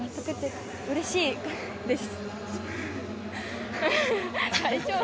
うれしいです。